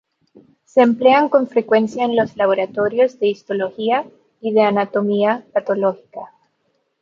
Se emplean con frecuencia en los laboratorios de histología y de anatomía patológica.